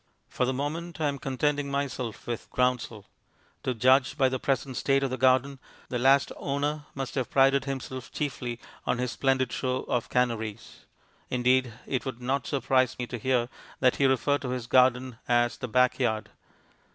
For the moment I am contenting myself with groundsel. To judge by the present state of the garden, the last owner must have prided himself chiefly on his splendid show of canaries. Indeed, it would not surprise me to hear that he referred to his garden as "the back yard."